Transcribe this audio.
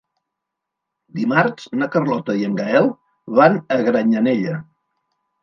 Dimarts na Carlota i en Gaël van a Granyanella.